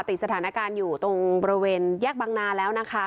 ติดสถานการณ์อยู่ตรงบริเวณแยกบังนาแล้วนะคะ